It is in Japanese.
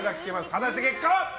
果たして結果は？